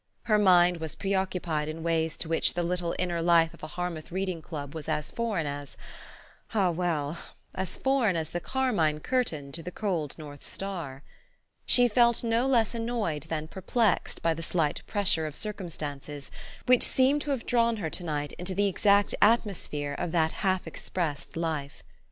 Her mind was pre occupied in ways to which the little inner life of a Harmouth reading club was as foreign as ah, well ! as foreign as the carmine curtain to the cold north star. She felt no less annoyed than perplexed by the slight pressure of circumstances which seemed to have drawn her to night into the exact atmosphere of that half expressed life.